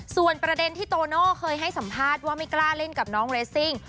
ส่วนประเด็นที่โตโน่เคยให้สัมภาษณ์ว่าไม่กล้าเล่นกับน้องเรสซิ่ง